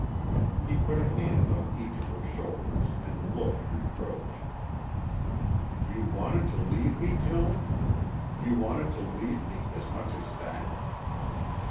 He put a hand on each of her shoulders and looked reproach. "You wanted to leave me, Joan? You wanted to leave me, as much as that?"